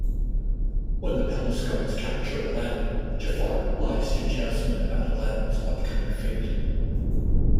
When the palace guards capture Aladdin, Jafar lies to Jasmine about Aladdin's upcoming fate.